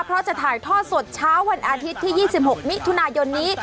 เพราะจะถ่ายทอดสดเช้าวันอาทิตย์ที่๒๖มิถุนายนนี้